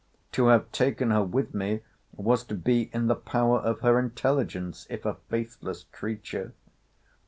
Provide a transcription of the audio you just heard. —To have taken her with me, was to be in the power of her intelligence, if a faithless creature.